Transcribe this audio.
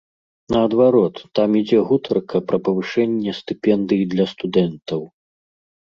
Наадварот, там ідзе гутарка пра павышэнне стыпендый для студэнтаў.